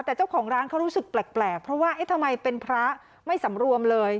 แต่เจ้าของร้านเขารู้สึกแปลกเพราะว่าเอ๊ะทำไมเป็นพระไม่สำรวมเลย